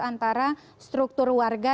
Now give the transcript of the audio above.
antara struktur warga